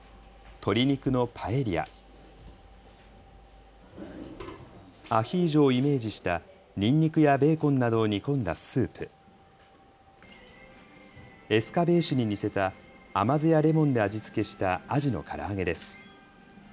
鶏肉のパエリア、アヒージョをイメージしたにんにくやベーコンなどを煮込んだスープ、エスカベーシュに似せた甘酢やレモンで味付けしたあじのから揚げです。